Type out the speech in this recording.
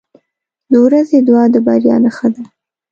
• د ورځې دعا د بریا نښه ده.